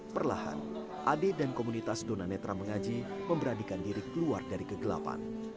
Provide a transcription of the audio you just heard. perlahan ade dan komunitas dona netra mengaji memberanikan diri keluar dari kegelapan